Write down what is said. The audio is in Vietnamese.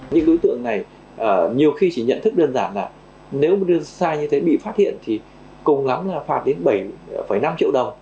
những đối tượng này nhiều khi chỉ nhận thức đơn giản là nếu sai như thế bị phát hiện thì cùng lắm là phạt đến bảy năm triệu đồng